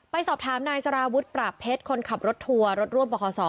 ไปสอบถามนายสารวุฒิปราบเพชรคนขับรถทัวร์รถร่วมบข